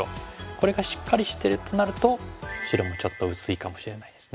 これがしっかりしてるとなると白もちょっと薄いかもしれないですね。